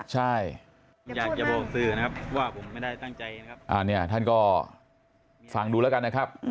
ใช่อยากจะบอกสื่อนะครับว่าผมไม่ได้ตั้งใจนะครับเนี่ยท่านก็ฟังดูแล้วกันนะครับ